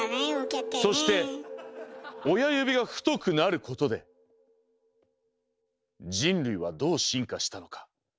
そして親指が太くなることで人類はどう進化したのか。